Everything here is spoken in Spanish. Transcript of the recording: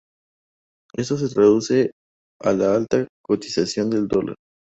Esto se traduce a la alta cotización del dólar.